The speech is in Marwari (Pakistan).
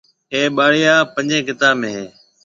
اَي ٻاݪيا پنجهيَ ڪتاب ۾ هيَ۔